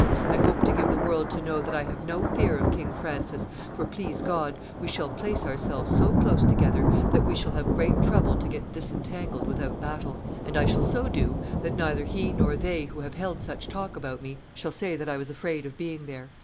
I hope to give the world to know that I have no fear of King Francis, for, please God, we shall place ourselves so close together that we shall have great trouble to get disentangled without battle, and I shall so do that neither he nor they who have held such talk about me shall say that I was afraid of being there."